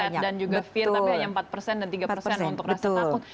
sehat dan juga fear tapi hanya empat persen dan tiga persen untuk rasa takut